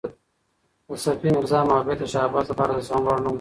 د صفي میرزا محبوبیت د شاه عباس لپاره د زغم وړ نه و.